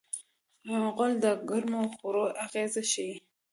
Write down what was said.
غول د ګرمو خوړو اغېز ښيي.